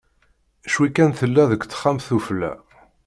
Ccwi kan tella deg texxamt ufella.